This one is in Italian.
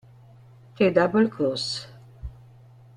The Double Cross